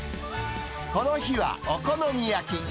この日はお好み焼き。